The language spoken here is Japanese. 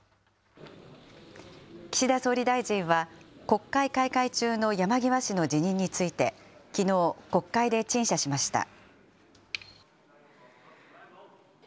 岸田総理大臣は国会開会中の山際氏の辞任について、きのう、国会で陳謝しました。